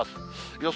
予想